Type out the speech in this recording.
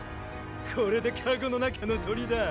これで籠の中の鳥だ！